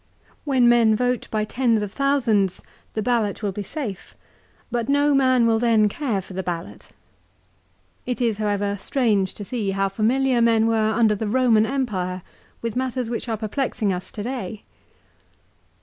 When men vote by tens of thousands the ballot will be safe, but no man will then care for the ballot. It is, however, strange to see how familiar men were under the Eoman Empire with matters which are perplexing us to day.